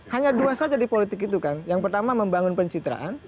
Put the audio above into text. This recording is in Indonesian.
hanya dua saja di politik itu kan yang pertama membangun pencitraan